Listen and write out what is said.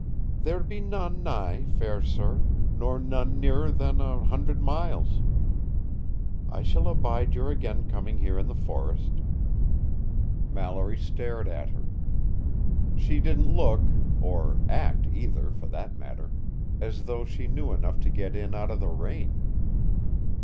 "There be none nigh, fair sir, nor none nearer than an hundred miles. I shall abide your again coming here in the forest." Mallory stared at her. She didn't look or act either, for that matter as though she knew enough to get in out of the rain.